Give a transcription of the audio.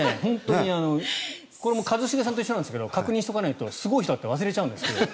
これは一茂さんと一緒ですが確認しとかないとすごい人だって忘れちゃうんですよ。